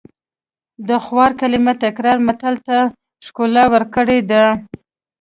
د خوار کلمې تکرار متل ته ښکلا ورکړې ده